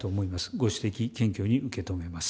ご指摘、謙虚に受け止めます。